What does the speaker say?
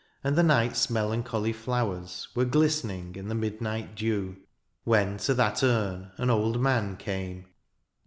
And the night's melancholy flowers Were gUstening in the midnight dew :— When to that urn an old man came.